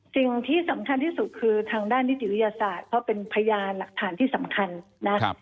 สิ่งที่สำคัญที่สุดคือทางด้านนิติวิทยาศาสตร์เพราะเป็นพยานหลักฐานที่สำคัญนะครับ